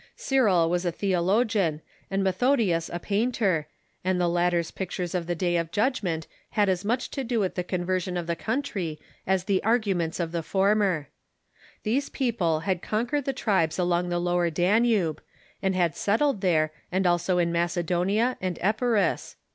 Cyril was a theo logian and Methodius a painter, and the latter's pict u garians ^^^^^^^ ^j^^ Day of Judgment had as much to do with the conversion of the country as the arguments of the former. These people had conquered the tribes along the Lower Danube, and had settled there, and also in Macedonia and Epirus.